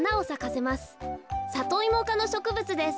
サトイモかのしょくぶつです」。